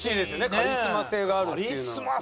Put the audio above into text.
カリスマ性があるっていうのは。